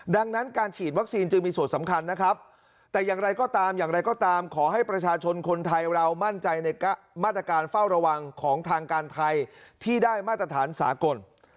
ดังนั้นการฉีดวัคซีนจึงมีส่วนสำคัญนะครับแต่อย่างไรก็ตามอย่างไรก็ตามขอให้ประชาชนคนไทยเรามั่นใจในมาตรการเฝ้าระวังของทางการไทยที่ได้มาตรฐานสากล